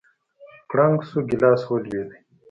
کړنگ سو گيلاس ولوېد.